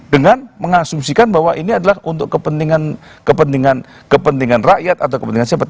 dengan mengasumsikan bahwa ini adalah untuk kepentingan rakyat atau kepentingan siapa